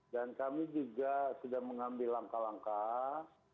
dan kami juga sudah mengambil langkah langkah